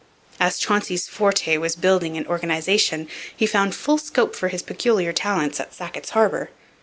As Chauncey's forte was building and organization, he found full scope for his peculiar talents at Sackett's Harbour.